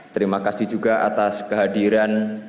terima kasih juga atas kehadiran